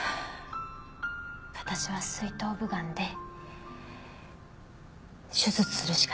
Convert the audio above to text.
私は膵頭部がんで手術するしかないって。